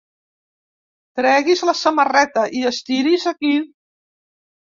Tregui's la samarreta i estiri's aquí.